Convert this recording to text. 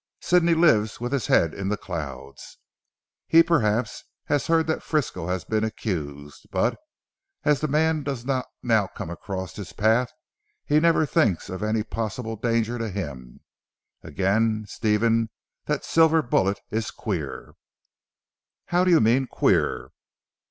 Sidney lives with his head in the clouds. He perhaps has heard that Frisco has been accused, but, as the man does not now come across his path, he never thinks of any possible danger to him. Again Stephen, that silver bullet is queer." "How do you mean queer?"